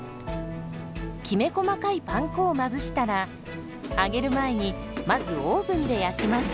きめ細かいパン粉をまぶしたら揚げる前にまずオーブンで焼きます。